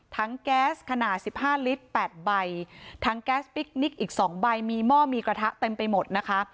แก๊สขนาดสิบห้าลิตรแปดใบทั้งแก๊สพิคนิคอีกสองใบมีหม้อมีกระทะเต็มไปหมดนะคะ